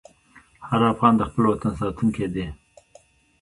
هر افغان د خپل وطن ساتونکی دی.